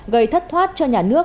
gây thất thoát cho nhà nước